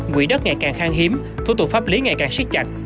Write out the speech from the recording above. quỹ đất ngày càng khang hiếm thủ tục pháp lý ngày càng siết chặt